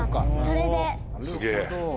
それで。